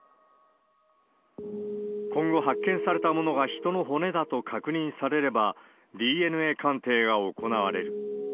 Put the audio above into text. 今後、発見されたものが人の骨だと確認されれば、ＤＮＡ鑑定が行われる。